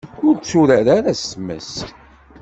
Ur tturar ara s tmes.